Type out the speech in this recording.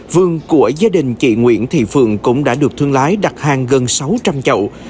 vườn của gia đình chị nguyễn thị phượng cũng đã được thương lái đặt hàng gần sáu trăm linh chậu